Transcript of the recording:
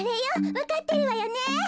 わかってるわよね？